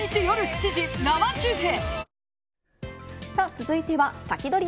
続いてはサキドリ！